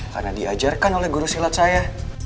karena diajarkan oleh guru silat saya